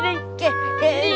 dan dan dan